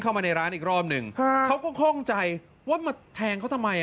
เข้ามาในร้านอีกรอบหนึ่งเขาก็คล่องใจว่ามาแทงเขาทำไม